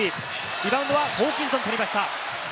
リバウンドはホーキンソンが取りました。